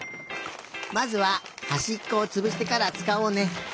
まずははしっこをつぶしてからつかおうね。